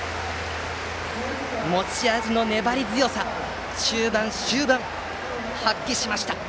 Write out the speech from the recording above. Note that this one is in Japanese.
持ち味の粘り強さ中盤と終盤に発揮しました。